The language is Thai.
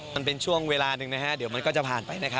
มันเป็นช่วงเวลาหนึ่งเดี๋ยวมันก็จะผ่านไป